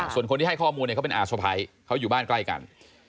ส่วนคนที่ให้ข้อมูลเนี่ยเขาเป็นอาสะพ้ายเขาอยู่บ้านใกล้กัน